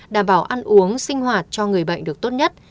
đảm bảo ăn uống sinh hoạt cho người bệnh được tốt nhất